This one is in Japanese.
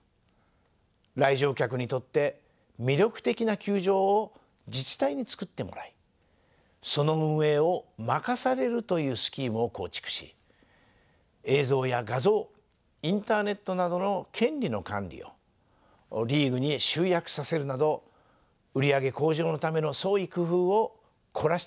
来場客にとって魅力的な球場を自治体につくってもらいその運営を任されるというスキームを構築し映像や画像インターネットなどの権利の管理をリーグに集約させるなど売り上げ向上のための創意工夫を凝らしてきました。